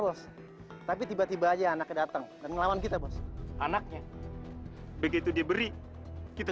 bos tapi tiba tiba aja anaknya datang dan ngelawan kita bos anaknya begitu diberi kita